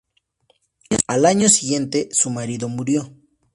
Al año siguiente, su marido murió.